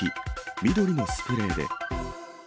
緑のスプレーで。